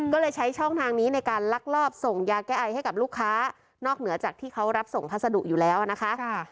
ก็เลยใช้ช่องทางนี้ในการลักลอบส่งยาแก้ไอให้กับลูกค้านอกเหนือจากที่เขารับส่งพัสดุอยู่แล้วนะคะ